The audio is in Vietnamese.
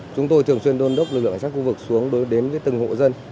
chúng tôi thường xuyên đôn đốc lực lượng cảnh sát khu vực xuống đến với từng hộ dân